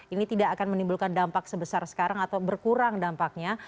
ini tidak akan menimbulkan dampak sebesar sekarang atau berkurang dampaknya